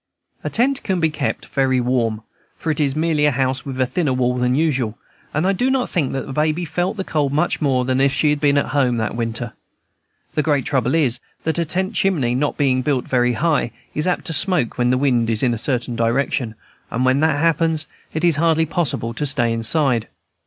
A tent can be kept very warm, for it is merely a house with a thinner wall than usual; and I do not think that Baby felt the cold much more than if she had been at home that winter. The great trouble is, that a tent chimney, not being built very high, is apt to smoke when the wind is in a certain direction; and when that happens it is hardly possible to stay inside.